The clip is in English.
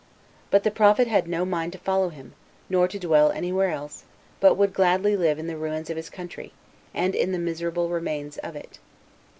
But the prophet had no mind to follow him, nor to dwell any where else, but would gladly live in the ruins of his country, and in the miserable remains of it.